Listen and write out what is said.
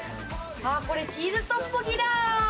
これチーズトッポギだ。